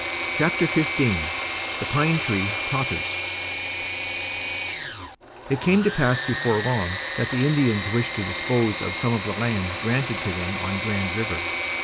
CHAPTER XV THE PINE TREE TOTTERS It came to pass before long that the Indians wished to dispose of some of the land granted to them on Grand River.